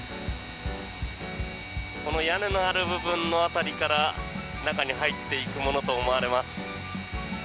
この屋根のある部分辺りから中に入っていくものと思われます。